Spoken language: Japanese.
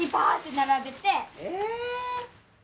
並べて「えぇ！」